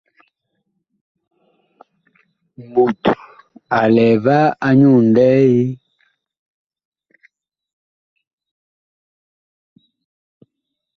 Mut a lɛ va nyu nlɛɛ?